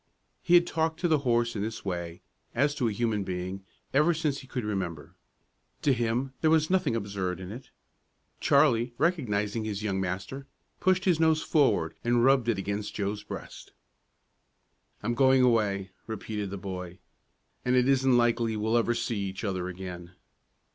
He had talked to the horse in this way, as to a human being, ever since he could remember. To him there was nothing absurd in it. Charlie, recognizing his young master, pushed his nose forward and rubbed it against Joe's breast. "I'm going away," repeated the boy, "an' it isn't likely we'll ever see each other again."